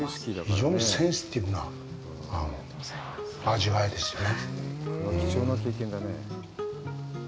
非常にセンシティブな味わいですよね。